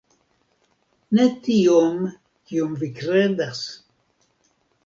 Ne tiom, kiom vi kredas.